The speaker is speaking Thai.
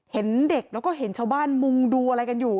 เห็นเด็กแล้วก็เห็นชาวบ้านมุงดูอะไรกันอยู่